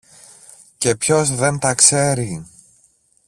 Και ποιος δεν τα ξέρει!